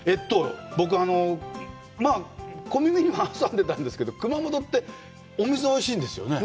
僕、小耳には挟んでたんですけど、熊本ってお水がおいしいんですよね？